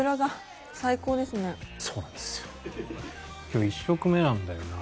今日１食目なんだよな。